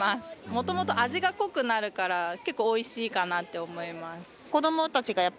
もともと味が濃くなるから結構おいしいかなって思います。